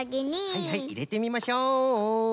はいはいいれてみましょう。